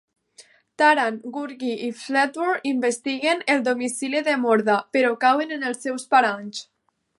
Taran, Gurgi i Fflewddur investiguen el domicili de Morda, però cauen en els seus paranys.